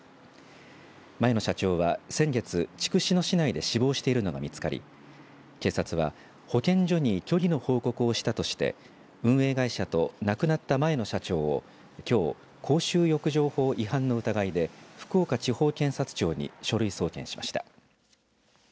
前の社長は先月筑紫野市内で死亡しているのが見つかり警察は保健所に虚偽の報告をしたとして運営会社と亡くなった前の社長をきょう公衆浴場法違反の疑いで福岡地方検察庁に書類送検しました。